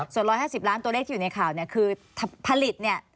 ส่วน๑๕๐ล้านตัวเลขที่อยู่ในข่าวเนี่ยคือผลิตเนี่ย